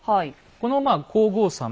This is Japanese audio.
この皇后さま